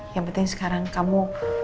yang penting sekarang kamu